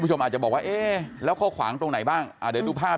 ผู้ชมอาจจะบอกว่าแล้วเข้าขวางตรงไหนบ้างเดี๋ยวดูภาพ